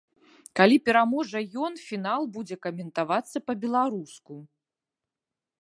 Калі пераможа ён, фінал будзе каментавацца па-беларуску.